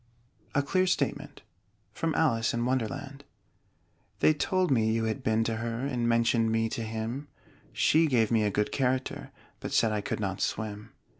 A CLEAR STATEMENT From 'Alice in Wonderland' They told me you had been to her, And mentioned me to him: She gave me a good character, But said I could not swim.